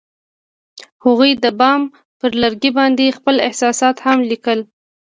هغوی د بام پر لرګي باندې خپل احساسات هم لیکل.